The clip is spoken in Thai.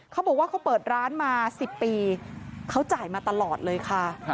เขาบอกว่าเขาเปิดร้านมา๑๐ปีเขาจ่ายมาตลอดเลยค่ะ